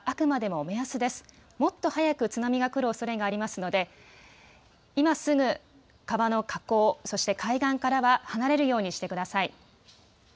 もっと早く津波が来るおそれがありますので今すぐ川の河口そして海岸からは離れるようにしてください。